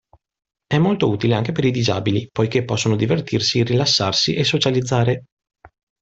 È molto utile anche per i disabili, poiché possono divertirsi, rilassarsi e socializzare.